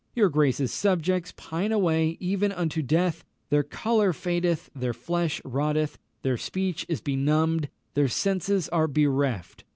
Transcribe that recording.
Your grace's subjects pine away even unto the death; their colour fadeth their flesh rotteth their speech is benumbed their senses are bereft!